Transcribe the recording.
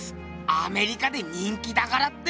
アメリカで人気だからって！